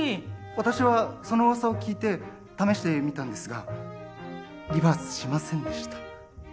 私はその噂を聞いて試してみたんですがリバースしませんでした。